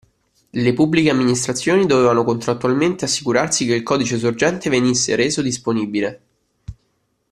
Le Pubbliche Amministrazioni dovevano contrattualmente assicurarsi che il codice sorgente venisse reso disponibile.